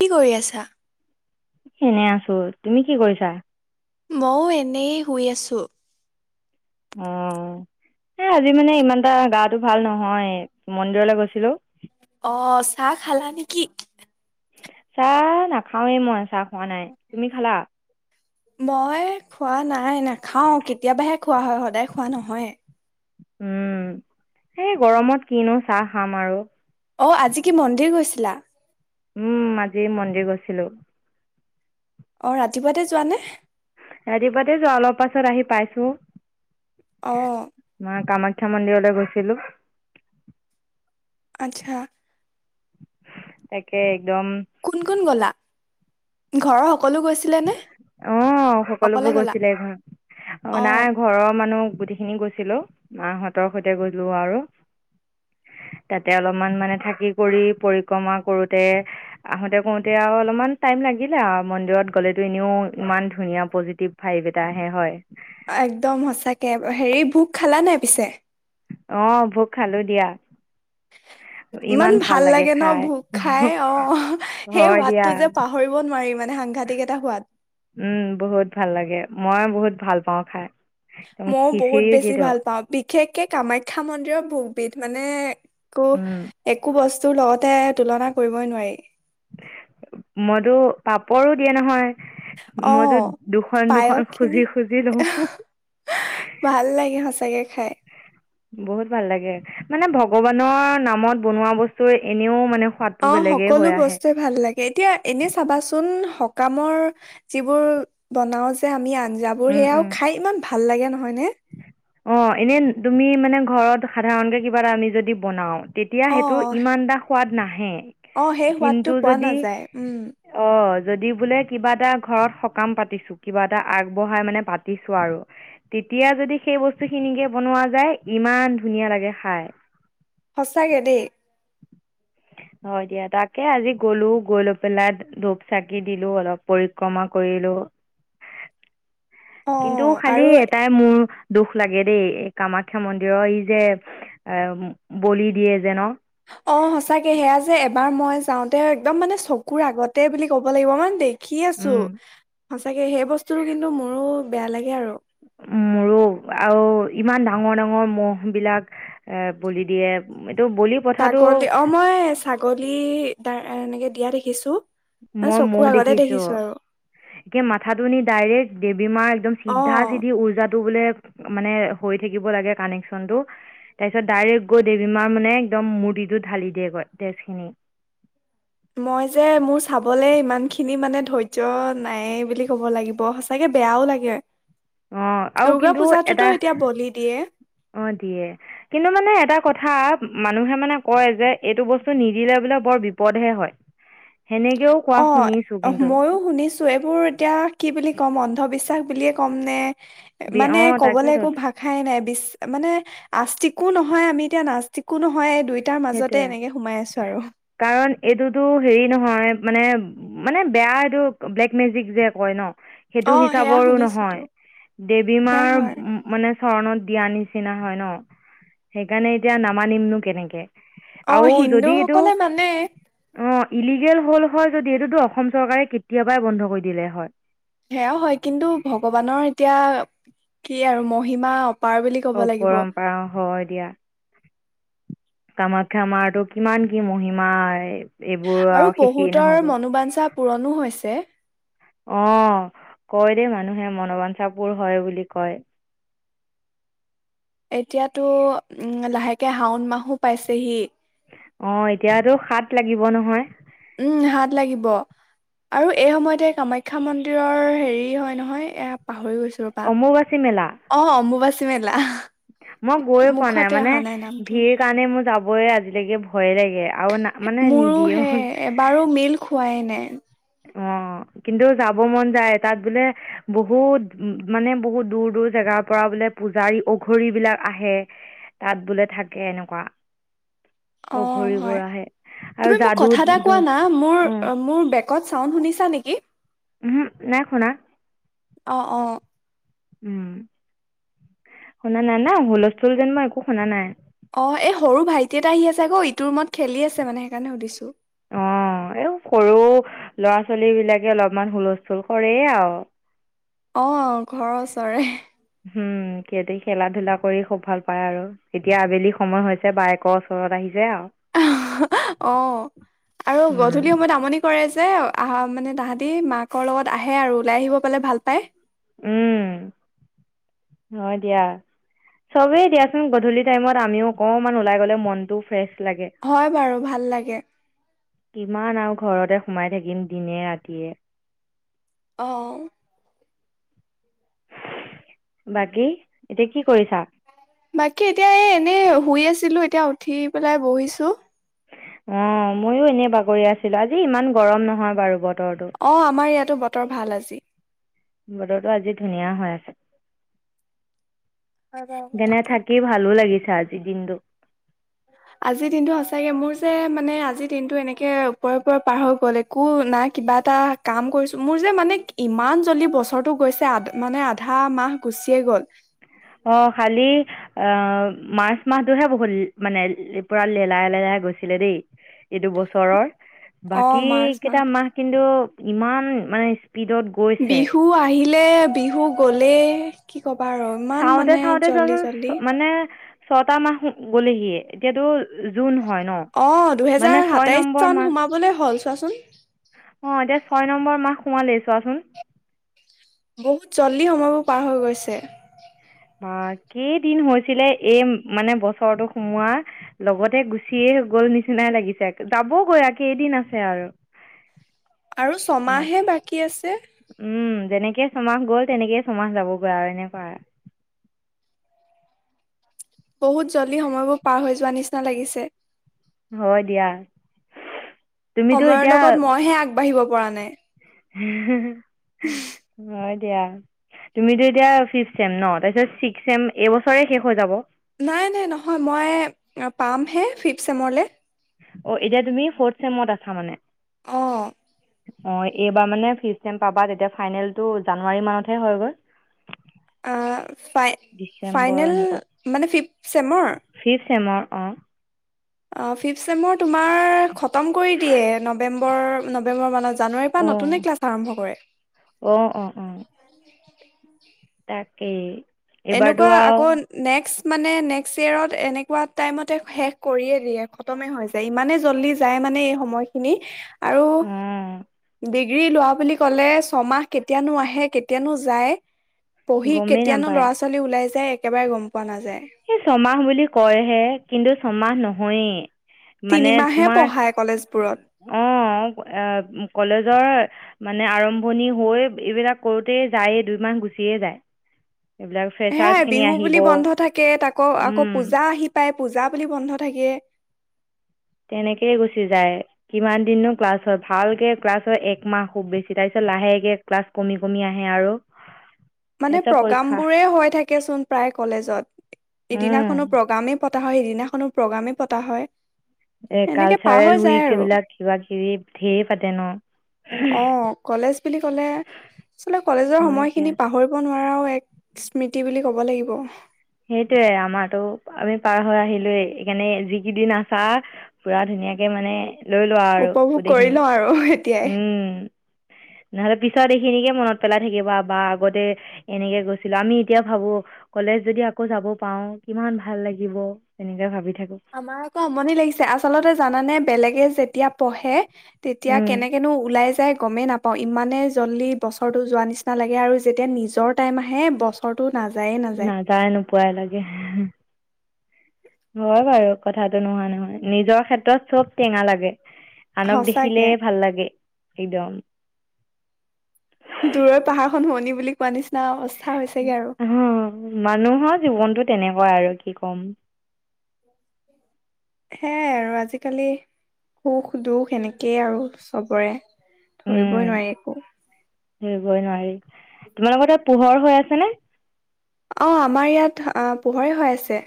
কি কৰি আছা? এনে আছো, তুমি কি কৰিছা? ময়ো এনেই শুই আছো। অ', এই আজি মানে ইমানটা গাটো ভাল নহয়, মন্দিৰলৈ গৈছিলো। অ', চাহ খালা নেকি? চাহ নাখাওঁৱেই মই চাহ খোৱা নাই তুমি খালা। মই খোৱা নাই নাখাও কেতিয়াবাহে খোৱা হয় সদায় খোৱা নহয়। উম সেই গৰমত কিনো চাহ খাম আৰু। অ আজি কি মন্দিৰ গৈছিলা। উম আজি মন্দিৰ গৈছিলো অ ৰাতিপুৱাতে যোৱানে ৰাতি পোৱাতে যোৱা অলপ পাছত আহি পাইছো আহ কামাখ্যা মন্দিৰলৈ গৈছিলো আচ্ছা তাকে একদম কোন কোন গলা ঘৰৰ সকলো গৈছিলেনে? অ অকলে সকলোবোৰ গ'লা? গৈছিলে এ ঘৰ অ নাই ঘৰৰ মানুহ গোটেইখিনি গৈছিলো মাহঁতৰ সৈতে গলো আৰু তাতে অলপমান মানে থাকি কৰি পৰিক্ৰমা কৰোতে আহোতে কৰোতে আৰু অলপমান টাইম লাগিলে আৰু মন্দিৰত ক'লেতো এনেও ইমান ধুনীয়া পজিটিভ ভাইভ এটা আহে হয় একদম সঁচাকে হেৰি ভোক খালা নাই পিছে অঁ ভোগ খালোঁ দিয়া ইমান ভাল লাগে ন ভোক খাই অ সেই হয় দিয়া সোৱাদটো যে পাহৰিব নোৱাৰি মানে সাংঘাতিক এটা সোৱাদ উম বহুত ভাল লাগে মই বহুত ভাল পাওঁ খাই একদম মইও বহুত খিচিৰিও বেছি দিয়েতো ভাল পাওঁ বিশেষকে কামাখ্যা মন্দিৰৰ ভ বিধ মানে একো উম একো বস্ত তোৰ লগতে তুলনা কৰিবই নোৱাৰি মইতো পাপৰো দিয়ে নহয় অ মইতো দুখন দুখন পায়স খুজি খিনি খুজি লওঁ ভাল লাগে সচাকে খায় বহুত ভাল লাগে মানে ভগৱানৰ নামত বনোৱা বস্তু এনেও মানে সোৱাদটো অ বেলেগেই সকলো হৈ আহে বস্তুৱে ভাল লাগে এতিয়া এনে চাবাচোন কামৰ যিবোৰ বনাও যে আমি আঞ্জাবোৰ উম সেয়াও উম খাই ইমান ভাল ভাল লাগে নহয়নে অ এনে তুমি মানে ঘৰত সাধাৰণকে কিবা এটা আমি যদি বনাও তেতিয়া অ সেইটো ইমান টা সোৱাদ নাহে অ সেই কিন্তু সোৱাদটো পোৱা যদি নাযায় উম অ যদি বোলে কিবা এটা ঘৰত সকাম পাতিছো কিবা এটা আগবঢ়াই মানে পাতিছো আৰু এতিয়া যদি সেই বস্তু খিনিকে বনোৱা যায় ইমান ধুনীয়া লাগে খাই সঁচাকে দেই হয় দিয়া তাকে আজি গলো গৈ লৈ পেলাই ধূপ চাকি দিলো অলপ পৰিক্ৰমা কৰিলো অ কিন্তু খালি আৰু এটাই মোৰ দুখ লাগে দেই এই কামাখ্যা মন্দিৰৰ ই যে, আ, বলি দিয়ে যে, ন? অ', সঁচাকে সেয়া যে, এবাৰ মই যাওঁতে একদম মানে চকুৰ আগতে বুলি ক'ব লাগিব মই দে দেখি আছো উম সঁচাকে সেই বস্তুটো কিন্তু মোৰো বেয়া লাগে আৰু মোৰো আউ ইমান ডাঙৰ, ডাঙৰ মহ বিলাক আ, বলি দিয়ে বলি প্ৰথাটো ছাগলী অ', মই ছাগলী তাৰ এনেকে দিয়া দেখিছোঁ মই মহ দেখিছো, এতিয়া মাথাটো নি ডাইৰেক্ট দেৱী মাৰ একদম অ চিধা, চিধি উৰ্জা টো বোলে মানে হৈ থাকিব লাগে কানেকচনটো তাৰপিছত ডাইৰেক্ট গৈ দেৱী মাৰ মানে একদম মূৰ্তিটো ঢালি দিয়েগৈ তেজ খিনি মই যে, মোৰ চাবলৈ ইমানখিনি মানে ধৈৰ্য্য নাইয়ে বুলি ক'ব লাগিব সঁচাকে বেয়াও লাগে। অ', আউ দুৰ্গা কিন্তু পূজাতোতো এটা এতিয়া বলি দিয়ে অ', দিয়ে, কিন্তু মানে এটা কথা মানুহে মানে কয় যে, এইটো বস্তু নিদিলে বোলে বৰ বিপদহে হয়। সেনেকেও কোৱা অ', শুনিছো কিন্তু ময়ো শুনিছো এইবোৰ এতিয়া কি বুলি ক'ম অন্ধবিশ্বাস বুলিয়ে ক'ম নে? বি- মানে অ কবলৈ তাকেতো একো ভাষাই নাই বিচ মানে আাস্তিকো নহয়, আমি এতিয়া নাস্তিকো নহয় এই দুই সেইটোয়ে কাৰণ এইটোতো হেৰি নহয় মানে মানে বেয়া এইটো ব্লেক মেজিক যে, কয় ন অ সেইটো সেয়া হিচাপৰো শুনিছোতো। নহয়, দেৱী সেয়া হয় মাৰ মানে চৰণত দিয়া নিচিনা হয়, ন? সেইকাৰণে এতিয়া নামানিমনো কেনেকে? আৰু অ', হিন্দু যদি এইটো সকলে মানে। অ ইলিগেল হ'ল হয়, যদি এইটোতো অসম চৰকাৰে কেতিয়াবাই বন্ধ কৰি দিলে হয়। সেয়াও হয়, কিন্তু ভগৱানৰ এতিয়া কি আৰু মহিমা অপাৰ বুলি ক'ব অ', লাগিব পৰম্পৰা হয়, দিয়া। কামাখ্যা মাৰটো কিমান কি মহিমা এইবোৰ আৰু শেষেই বহুতৰ নহব মনোবাঞ্ছা পূৰণো হৈছে। অ কয় মানুহে মনোবাঞ্ছাপূৰ হয়, বুলি কয়। এতিয়াতো উম, লাহেকে শাওণ মাহো পাইছেহি। অ', এতিয়াতো সাত লাগিব নহয়। উম, হাত লাগিব আৰু এই সময়তে কামাখ্যা মন্দিৰৰ হেৰি হয়, নহয় এ পাহৰি গৈছ অম্বুবাচী মেলা। মেলা মই গৈ পোৱা নাই, মুখতে মানে অহা নামটো ভিৰ কাৰণে মোৰ যাব আজিলৈকে ভয়ে লাগে। আৰু না মানে মোৰো নিদিয়েও হে, এবাৰো মিল খোৱাই নাই [unintelligible] অ', কিন্তু যাব মন যায় তাত বোলে বহুত মানে বহুত দূৰ, দূৰ জেগাৰ পৰা বোলে পূজাৰী, অঘৰী বিলাক আহে তাত বোলে থাকে এনেকুৱা অ', ঘূৰিবোৰ হয়, আহে আৰু তুমি মোক যাদু কথা এটা কোৱা না মোৰ, অ মোৰ বেকত চাউণ্ড শুনিছা নেকি? উম, নাই শুনা। অ', অ'। উম। শুনা নাই, না? হুলস্থল যেন মই একো শুনা নাই। অ', এই সৰু ভাইটি এটা আহি আছে আকৌ ইটো ৰুমত খেলি আছে মানে সেইকাৰণে সুধিছো অ', এ, সৰু ল'ৰা ছোৱালী বিলাকে অলপমান হুলথূল কৰেই আউ অ', ঘৰৰ ওচৰে উম, সিহঁতি খেলা ধূলা কৰি খুব ভাল পায় আৰু এতিয়া আবেলি সময় হৈছে বায়েকৰ ওচৰত আহি অ', আৰু উম গধূলি সময়ত আমনি কৰে যে, আহা মানে তাহাঁতি মাকৰ লগত আহে আৰু ওলাই আহিব পালে ভাল পায়। উম, হয়, দিয়া চবেই দিয়াচোন গধূলি টাইমত আমিও অকণমান ওলাই গ'লে মনটো ফ্ৰেছ লাগে হয়, বাৰু ভাল লাগে। কিমান আৰু ঘৰতে সোমাই থাকিম দিনে, ৰাতিয়ে। অহ। বাকী এতিয়া কি কৰিছা? বাকী এতিয়া এই, এনেই শুই আছিলো এতিয়া উঠি পেলাই বহিছোঁ। অ', ময়ো এনে বাগৰি আছিলো আজি ইমান গৰম নহয় বাৰু বত অ', আমাৰ ইয়াত টো বতৰ ভাল আজি। বতৰটো আজি ধুনীয়া হৈ আছে। হয় বাৰু যেনে কথাটো। থাকি ভালো লাগিছে আজ [unintelligible] আজিৰ দিনটো সঁচাকে মোৰ যে, মানে আজিৰ দিনটো এনেকে ওপৰে, ওপৰে পাৰ হৈ গ'ল একো নাই কিবা এটা কাম কৰিছো মোৰ যে, মানে ইমান জল্দি বছৰটো গৈছে আ, মানে আধা মাহ গুচিয়ে গ'ল। অ', খালি অ', মাৰ্চ মাহটোহে বহুত-মানে পুৰা লেলাই, লেলাই গৈছিলে দেই এইটো বছৰৰ অ বাকী মাৰ্চ কেইটা মাহ কিন্তু ইমান মানে স্পীডত গৈছে বিহু আহিলে, বিহু গ'লে এক ক'বা আৰু ইমান চাওঁতে মানে চাওঁতে জল্দি চোৱাচোন জল্দি। মানে ছটা মাহ গ'লে হিয়ে এতিয়াতো জুন হয় ন অ', মানে দুহেজাৰ ছয় সাতাইশ নম্বৰ চন মাহ সোমাবলৈ হ'ল চোৱাচোন। অ', এতিয়া ছয় নম্বৰ মাহ সোমালেই চোৱাচোন। বহুত জল্দি সময়বোৰ পাৰ হৈ গৈছে বা কেইদিন হৈছিলে এই মানে বছৰটো সোমোৱাৰ লগতে গুচিয়ে গল নিচিনাই লাগিছে যাবগৈ আৰু কেইদিন আছে আৰু আৰু মাত ছমাহে বাকী আছে উম যেনেকেই ছমাহ গ'ল তেনেকেই ছমাহ যাবগৈ আৰু এনেকুৱা বহুত জল্দি সময়বোৰ পাৰ হৈ যোৱা নিচিনা লাগিছে হয় দিয়া তুমিতো সময়ৰ এতিয়া লগত মই হে আগবাঢ়িব পৰা নাই অ এ দিয়া তুমিতো এতিয়া ফিফ চম ন তাৰপিছত ছিক্স চম এইবছৰে শেষ হৈ যাব নাই নাই নহয় মই পামহে ফি চেমৰলে অ এতিয়া তুমি ফৰ্থ চেমত আছা মানে আহ অ এইবাৰ মাবা তেতি ফাইনেলটো জ মতে হয় ফাই ডিচেম্বৰ ফাইনেল মানে ফিফথ চছেমৰ েমৰ অ [unintelligible] জানুৱাৰীৰ পৰা অঁ নতুনে ক্লাছ আৰম্ভ কৰে তাকেেই এনেকুৱা আকৌ নেক্স ান নেক্সয় শেষ কৰিে দিয়ে খ যায় ইমানে জ যায় মানে এই সময়খিনি আৰু উম ডিগ্ৰী লোৱা বুলি ক'লে ছমাহ কেতিয়ানো আহে কেতিয়ানো যায় পঢ়ি গমেই কেতিয়ানো ল'ৰা ছোৱালী ল ওলাই যায় একেবাৰে গ'ম পোৱা নাযায় সেই ছমাহ বুলি কয়হে কিন্তু ছমাহ নহয় সই মানে তিনিমাহে তোমাৰ পঢ়ায় কলেজবোৰত অ এ কলেজৰ মানে আৰম্ভণি হৈ এইবিলাক কৰোতে যায়ে দুইমাহ গুচিয়ে যায় এইবিলাক হে ফ্ৰেছাৰ্ছখিনি বিহু আহিব বুলি বন্ধ থাকে তাক আকৌ আকৌ পূজা আহি পাই পূজা বুলি বন্ধ থাকে তেনেকেই গুচি যায় কিমান দিনো ক্লাছ হয় ভালকে ক্লাছ হয় এক মাহ খুব বেছি তাৰ পিছত লাহেকে ক্লাছ কমি কমি আহে আৰু মানে তাৰপিছত পৰীক্ষা প্ৰগ্ৰামবোৰে হৈ থাকে চোন প্ৰায় কলেজত উম এদিনাখনো প্ৰগ্ৰামে পতা হয় সিদিনাখনো প্ৰগ্ৰামে পতা হয় এ এনেকে পাৰ হৈ কালচাৰেল যায় উইক আৰু এইবিলাক কিবা কিবি েৰ পাতে ন অ কলেজ বুলি কলে আচল কলেজৰ হয় দিয়া সময়খিনি পাহৰিব নোৱাৰাও এক স্মৃতি বুলি ক'ব লাগিব সেইটোয়ে আমাৰো আমি পাৰ হৈ আহিলোেই সেইকাৰণে যিিকেইদিন আছা পুৰা ধুনীয়াকে মানে লৈ লোৱা আৰু উপভোগ গোটেইখিনি কৰিলও আৰু। এতিয়াই উম। নহ'লে পিছত এইখিনিকে মনত পেলাই থাকিবা বা আগতে এনেকে গৈছিলো আমি এতিয়া ভাবো কলেজ যদি আকৌ যাব পাৰওঁ কিমান ভাল লাগিব তেনেকে ভাবি থাক আমাৰ আকৌ আমনি লাগিছে আচলতে জানানে? বেলেগে যেত এতিয়া পঢ়ে তেতিয়া উম কেনেকেনো ওলাই যায় গমেই নাপাওঁ, ইমানেই জল্ডি বছৰটো যোৱা নিচিনা লাগে আৰু যেতিয়া নিজৰ টাইম আহে বছৰটোত নাযাই নোপোৱাই লাগে। হয় বাৰু, কথাটো নোহোৱা নহয়, নিজৰ ক্ষেত্ৰত চব টেঙা লাগে। আনক দেখিলে সঁচাকে ভাল লাগে, একদম। দূৰৰ পাহাৰ খন শুৱনি বুলি কোৱা নিচিনা অবচ অ', মানুহৰ জীৱনটো তেনেকুৱাই আৰু। কি কম। সেইয়াই আৰু আজিকালি, সুখ দুখ এনেকেই আৰু চবৰে উম, ধৰিবই নোৱাৰি একো। ধৰিবই নোৱাৰি, তোমালোকৰ তাত পোহৰ হৈ আছে নে? অ', আমাৰ ইয়াত পোহৰে হৈ আছে।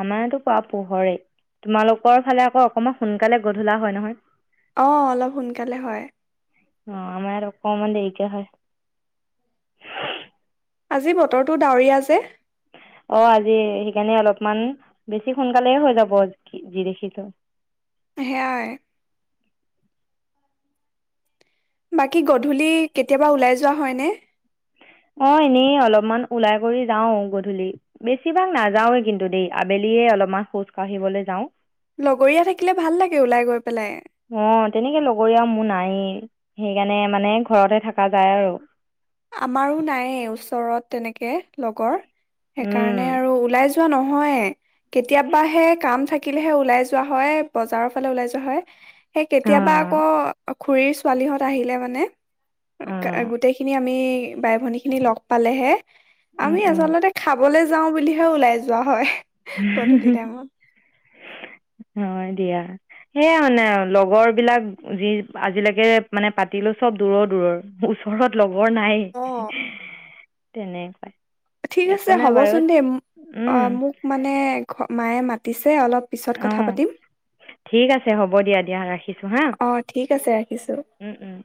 আমাৰতো পোৰা পোহৰে, তোমালোকৰ ফালে আকৌ অকমান সোনকালে গধূলা হয় নহয়। অ', অলপ সোনকালে হয়। অ', আমাৰ ইয়াত অকনমান দেৰিকে হয়। আজি বতৰটো ডাৱৰীয়া যে। অ', আজি‌ এই সেইকাৰণে অলপমান বেছি সোনকালে হৈ যাব কি যি দেখিছো। সেয়াই। বাকী গধূলি কেতিয়াবা ওলাই যোৱা হয়নে? অ', এনেই অলপমান ওলাই কৰি যাও গধূলি, বেছিভাগ নাযাওৱে কিন্তু দেই, আবেলিয়ে অলপমান খোজ কাঢ়িবলৈ যাওঁ। লগৰীয়া থাকিলে ভাল লাগে ওলাই গৈ পেলাই। অ', তেনেকে লগৰীয়া মোৰ নায়েই, সেইকাৰণে মানে ঘৰতে থকা যায় আৰু। আমাৰো নাইয়ে, ওচৰত তেনেকে লগৰ। সেইকাৰণে অঁ আৰু ওলাই যো যোৱা নহয়ে, কেতিয়াবাহে কাম থাকিলেহে ওলাই যোৱা হয়, বজাৰৰ ফালে ওলাই যোৱা হয়। সেই কেতিয়াবা আকৌ খুৰীৰ ছোৱালীহঁত আহিলে মানে। অঁ গোটেইখিনি আমি বাই ভনী খিনি লগ পালেহে। আমি আচলতে খাবলে যাওঁ বুলিহে ওলাই যোৱা হয়। গধূলি টাইমত হয় দিয়া। সেইয়াই মানে আৰু, লগৰ বিলাক যি আজিলৈকে মানে পাতিলো চব দূৰৰ দূৰৰ, ওচৰত লগৰ অ নাইয়ে তেনেকু ঠিক আছে হ'বচোন দেই, অঁ অ', মোক মানে, মায়ে মাতিছ অ', ঠিক আছে হ'ব দিয়া দিয়া ৰাখিছো হা, অ' ঠিক আছে ৰাখিছোঁ। উম, উম।